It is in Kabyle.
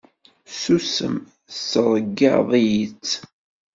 Susem tettreyyiεeḍ-iyi-tt!